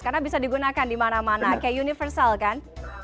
karena bisa digunakan dimana mana kayak universal kan